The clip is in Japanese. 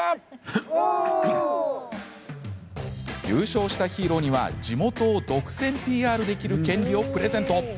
優勝したヒーローには地元を独占ＰＲできる権利をプレゼント。